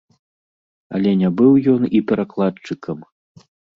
Але не быў ён і перакладчыкам!